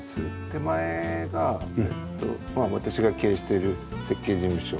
手前が私が経営している設計事務所。